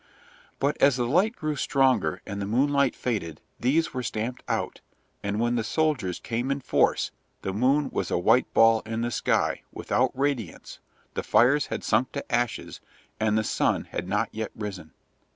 But as the light grew stronger and the moonlight faded these were stamped out, and when the soldiers came in force the moon was a white ball in the sky, without radiance, the fires had sunk to ashes, and the sun had not yet risen.